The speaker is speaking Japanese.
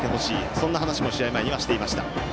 そんな話も試合前にはしていました。